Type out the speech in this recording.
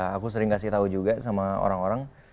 aku sering kasih tau juga sama orang orang